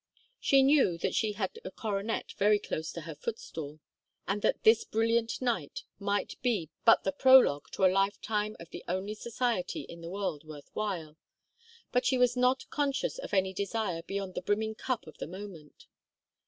She knew that she had a coronet very close to her footstool, and that this brilliant night might be but the prologue to a lifetime of the only society in the world worth while, but she was not conscious of any desire beyond the brimming cup of the moment.